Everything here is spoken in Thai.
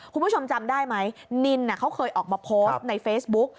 คุณผู้ชมจำได้ไหมนินเขาเคยออกมาโพสต์ในเฟซบุ๊ก